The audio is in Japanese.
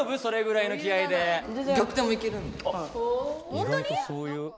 い外とそういう。